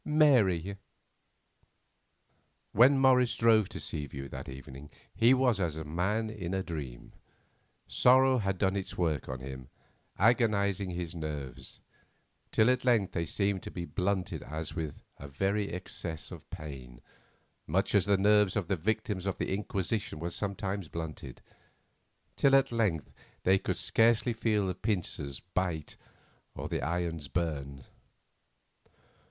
—Mary." When Morris drove to Seaview that evening he was as a man is in a dream. Sorrow had done its work on him, agonising his nerves, till at length they seemed to be blunted as with a very excess of pain, much as the nerves of the victims of the Inquisition were sometimes blunted, till at length they could scarcely feel the pincers bite or the irons burn.